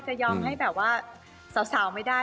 จะยอมให้แบบว่าสาวไม่ได้